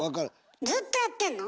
ずっとやってんの？